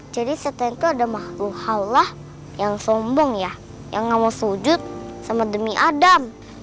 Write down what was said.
jadi setan itu ada makhluk allah yang sombong ya yang gak mau sujud sama demi adam